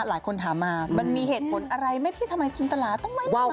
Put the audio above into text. หลายคนถามมามันมีเหตุผลอะไรไม่ที่ทำไมจิ้นตลาดต้องไว้หน้ามา